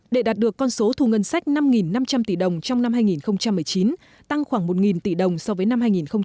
để đạt được con số thu ngân sách năm năm trăm linh tỷ đồng trong năm hai nghìn một mươi chín tăng khoảng một tỷ đồng so với năm hai nghìn một mươi tám